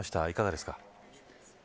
いかがですか。